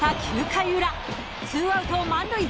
９回裏ツーアウト満塁！